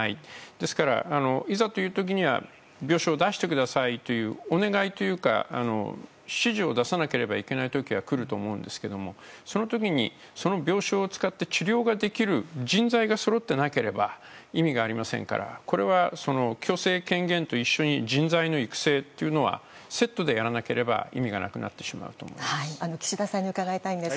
だから、いざという時に病床を出してくださいというお願いというか指示を出さなければいけない時がくると思うんですけどもその時に、その病床を使って治療ができる人材がそろってなければ意味がありませんからこれは強制権限と一緒に人材の育成はセットでやらなければ意味がなくなってしまうと思います。